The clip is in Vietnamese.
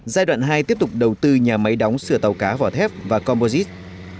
giai đoạn hai tiếp tục đầu tư nhà máy đóng sửa tàu cá vỏ thép và composite